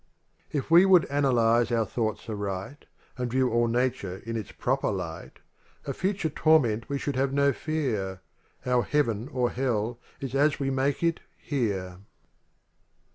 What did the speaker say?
LXVI If we would analyze our thoughts aright And view all nature in its proper light* Of future torment we should have no fear, Our heaven or hell is as we make it here.